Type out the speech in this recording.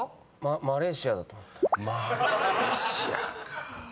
「マレーシア」だと思った。